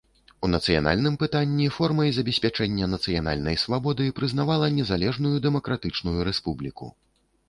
У нацыянальным пытанні формай забеспячэння нацыянальнай свабоды прызнавала незалежную дэмакратычную рэспубліку.